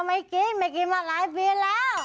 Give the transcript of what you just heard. ไม่กินไม่กินมาหลายปีแล้ว